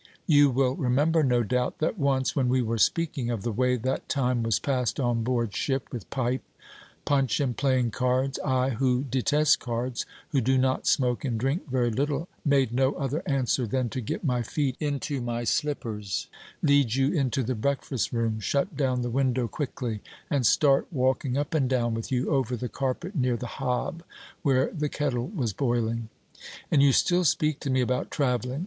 You will remember, no doubt, that once when we were speaking of the way that time was passed on board ship, with pipe, punch and playing cards, I, who detest cards, who do not smoke, and drink very little, made no other answer than to get my feet into my slippers, lead you into the breakfast room, shut down the window quickly, and start walking up and down with you over the carpet near the hob where the kettle was boiling. And you still speak to me about travelling